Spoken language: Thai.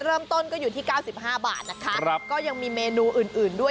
เริ่มต้นก็อยู่ที่เก้าสิบห้าบาทนะคะครับก็ยังมีเมนูอื่นอื่นด้วย